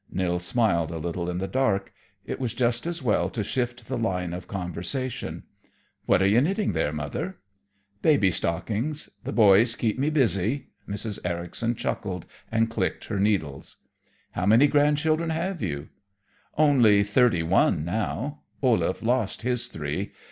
Nils smiled a little in the dark. It was just as well to shift the line of conversation. "What are you knitting there, Mother?" "Baby stockings. The boys keep me busy." Mrs. Ericson chuckled and clicked her needles. "How many grandchildren have you?" "Only thirty one now. Olaf lost his three.